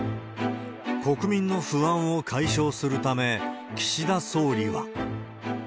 国民の不安を解消するため、岸田総理は。